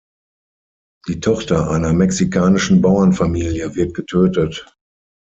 Die Tochter einer mexikanischen Bauernfamilie wird getötet.